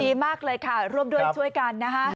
ดีมากเลยค่ะร่วมด้วยช่วยกันนะคะ